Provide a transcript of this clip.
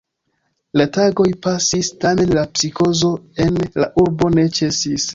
La tagoj pasis, tamen la psikozo en la urbo ne ĉesis.